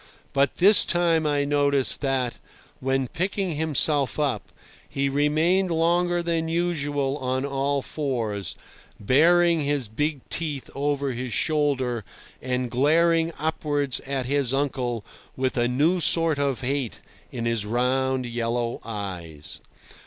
But this time I noticed that, when picking himself up, he remained longer than usual on all fours, baring his big teeth over his shoulder and glaring upwards at his uncle with a new sort of hate in his round, yellow eyes.